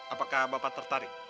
apakah bapak tertarik